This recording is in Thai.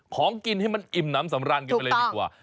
ของกินให้มันอิ่มน้ำสำราญกันไปเลยดีกว่า